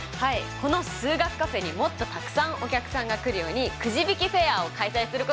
この数学カフェにもっとたくさんお客さんが来るように「くじびきフェア！」を開催することにしました！